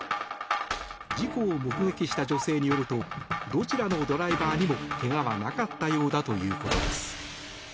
事故を目撃した女性によるとどちらのドライバーにも怪我はなかったようだということです。